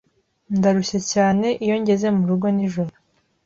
Ndarushye cyane iyo ngeze murugo nijoro.